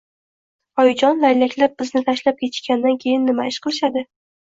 - Oyijon, laylaklar bizni tashlab ketishganidan keyin nima ish qilishadi?